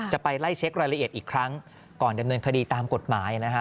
จะไปไล่เช็ครายละเอียดอีกครั้งก่อนดำเนินคดีตามกฎหมายนะฮะ